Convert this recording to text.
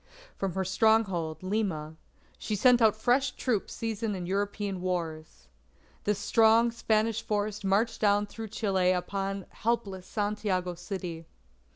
From her stronghold, Lima, she sent out fresh troops seasoned in European wars. This strong Spanish force marched down through Chile upon helpless Santiago City.